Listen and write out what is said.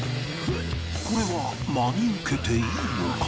これは真に受けていいのか？